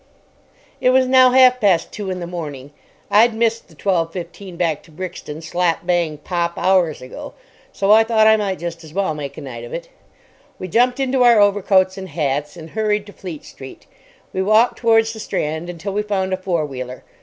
It was now half past two in the morning. I'd missed the 12:15 back to Brixton slap bang pop hours ago, so I thought I might just as well make a night of it. We jumped into our overcoats and hats, and hurried to Fleet Street. We walked towards the Strand until we found a four wheeler.